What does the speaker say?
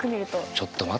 ちょっと待って。